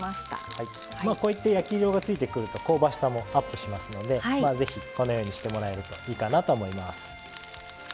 こういった焼き色がついてくると香ばしさもアップしますのでぜひこのようにしてもらえるといいかなと思います。